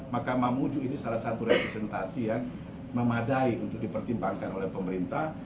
maka mamuju ini salah satu representasi yang memadai untuk dipertimbangkan oleh pemerintah